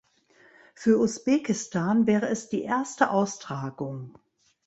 Für Usbekistan wäre es die erste Austragung.